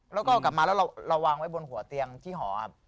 แล้วก็เอากลับมาแล้วเราวางไว้บนหัวเตียงที่หอครับ